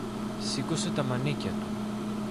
σήκωσε τα μανίκια του